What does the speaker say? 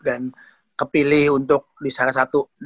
dan kepilih untuk disana satu